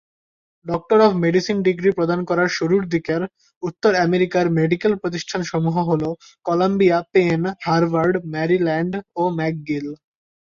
Doctor of medicine degree প্রদান করার শুরুর দিকের উত্তর আমেরিকার মেডিক্যাল প্রতিষ্ঠানসমূহ হল কলাম্বিয়া, পেন, হার্ভার্ড, ম্যারিল্যান্ড ও ম্যাকগিল।